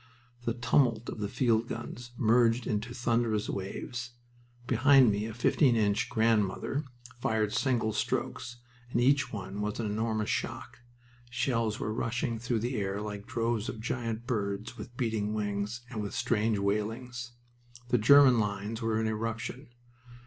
The tumult of the fieldguns merged into thunderous waves. Behind me a fifteen inch "Grandmother" fired single strokes, and each one was an enormous shock. Shells were rushing through the air like droves of giant birds with beating wings and with strange wailings. The German lines were in eruption.